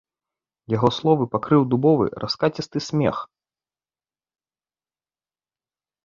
Яго словы пакрыў дубовы раскацісты смех.